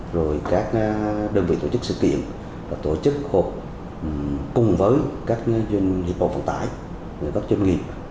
rồi các đơn vị tổ chức sự kiện tổ chức cùng với các doanh nghiệp bộ phụ tải các doanh nghiệp